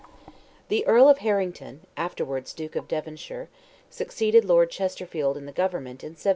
The Earl of Harrington, afterwards Duke of Devonshire, succeeded Lord Chesterfield in the government, in 1746.